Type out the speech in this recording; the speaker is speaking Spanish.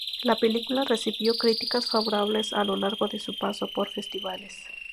La película recibió críticas favorables a lo largo de su paso por festivales.